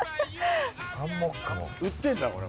売ってんだこれ。